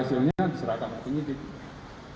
saya juga sudah disampaikan oleh pak jokowi